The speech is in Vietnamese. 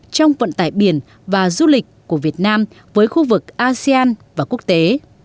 trong vận tải biển và du lịch của việt nam với khu vực asean và quốc tế